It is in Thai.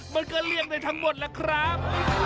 มันก็เลี่ยงได้ทั้งหมดล่ะครับ